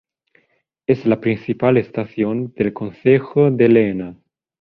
Es la principal estación del concejo de Lena.